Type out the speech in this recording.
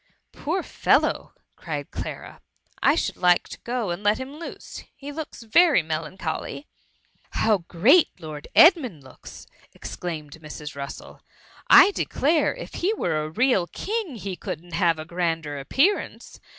''" Poor fellow !^ cried Clara, " I should like to go and let him loose. He looks very me* lancholy r ^^ How great Lord Edmund looks !^ ex claimed Mrs. Russel :'^ I declare if he were a real king he couldn't have a grander ap pearance.